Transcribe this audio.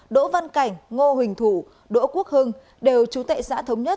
đỗ văn cảnh ngô huỳnh thủ đỗ quốc hưng đều chú tệ xã thống nhất